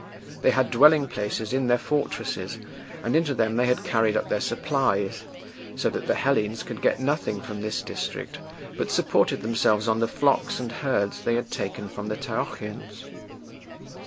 They had dwelling places in their fortresses, and into them they had carried up their supplies, so that the Hellenes could get nothing from this district, but supported themselves on the flocks and herds they had taken from the Taochians.